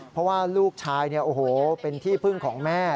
เพราะว่าลูกชายเนี่ยโอ้โหเป็นที่พึ่งของแม่